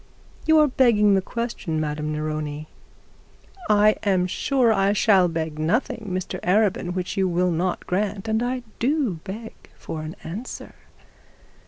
'You are begging the question, Madame Neroni.' 'I am sure that I shall beg nothing, Mr Arabin, which you will not grant, and I do beg for an answer.